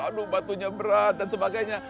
aduh batunya berat dan sebagainya